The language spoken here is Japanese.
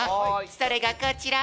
それがこちら！